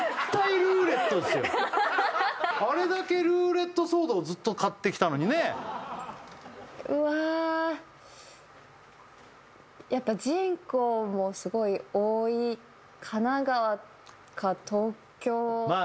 あれだけルーレットソードをずっと買ってきたのにねえうわやっぱ人口もすごい多い神奈川か東京まあ